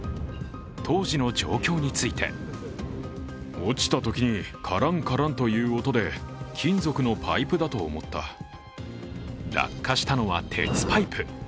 当時の状況について落下したのは鉄パイプ。